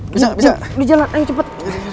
bisa gak bisa udah jalan ayo cepet